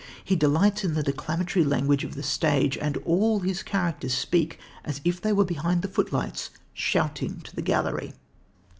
He delights in the declamatory language of the stage, and all his characters speak as if they were behind the footlights, shouting to the gallery.